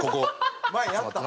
前やった。